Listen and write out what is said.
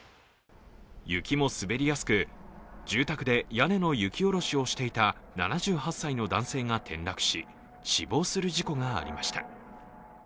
雪も滑りやすく住宅で屋根の雪下ろしをしていた７８歳の男性が転落し、死亡する事故がありました。